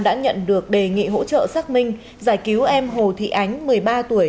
đã nhận được đề nghị hỗ trợ xác minh giải cứu em hồ thị ánh một mươi ba tuổi